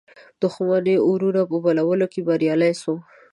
دښمنیو اورونو په بلولو کې بریالی سو.